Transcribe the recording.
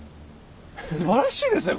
すばらしいですね